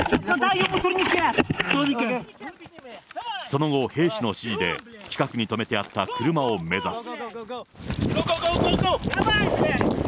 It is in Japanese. その後、兵士の指示で近くに止めてあった車を目指す。